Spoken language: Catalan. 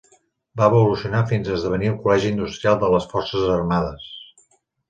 Va evolucionar fins a esdevenir el Col·legi Industrial de les Forces Armades.